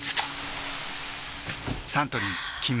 サントリー「金麦」